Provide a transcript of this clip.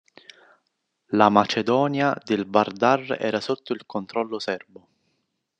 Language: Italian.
La Macedonia del Vardar era sotto il controllo Serbo.